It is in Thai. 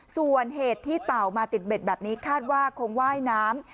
ส่วนเหตุที่เต่ามาติดเบ็ดแบบนี้คาดว่าคงว่ายน้ำ